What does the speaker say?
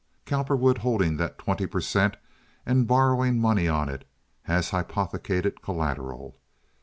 Cowperwood holding that twenty per cent. and borrowing money on it as hypothecated collateral.